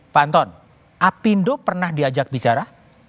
pak anton apindo pernah diajak bicara